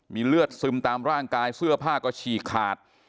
มีเลือดซึมตามร่างกายเสื้อผ้าก็ฉีกขาด